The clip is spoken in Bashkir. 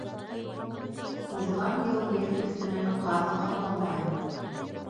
Уҙған йыл ер өҫтөн әле ҡар ҙа ҡапламағайны.